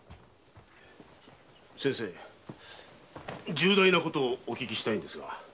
重大なことをお聞きしたいのですが。